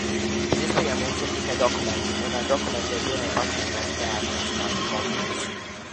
Bez iespējām mums ir tikai dokumenti, un ar dokumentiem vieniem pašiem mēs neatrisinām konfliktus.